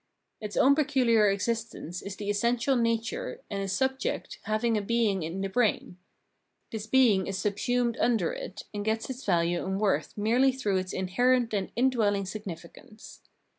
Its own peculiar existence is the essential nature, and is subject, having a being in the brain ; this being is subsumed under it, and gets its value and worth merely through its inherent and indwelling signifi cance.